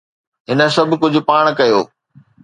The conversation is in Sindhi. هن سڀ ڪجهه پاڻ ڪيو